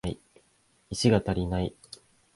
石が足りない